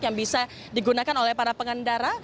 yang bisa digunakan oleh para pengendara